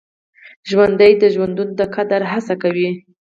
ژوندي د ژوند د قدر هڅه کوي